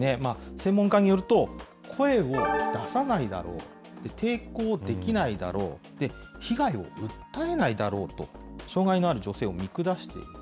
専門家によると声を出さないだろう、抵抗できないだろう、被害を訴えないだろうと、障害のある女性を見下していると。